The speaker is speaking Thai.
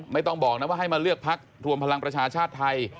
ไม่ต้องบอกนะว่าให้มาเลือกพักรวมพลังประชาชาติไทย